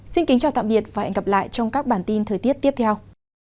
xin kính chào tạm biệt và hẹn gặp lại trong các bản tin thời tiết tiếp theo